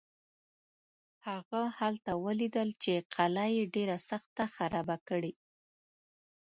هغه هلته ولیدل چې قلا یې ډېره سخته خرابه کړې.